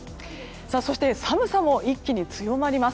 そして寒さも一気に強まります。